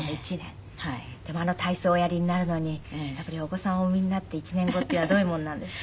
でもあの体操おやりになるのにお子さんお産みになって１年後っていうのはどういうものなんですか？